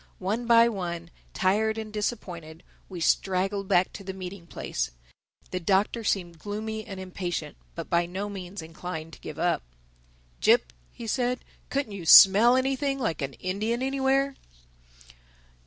One by one, tired and disappointed, we straggled back to the meeting place. The Doctor seemed gloomy and impatient but by no means inclined to give up. "Jip," he said, "couldn't you smell anything like an Indian anywhere?"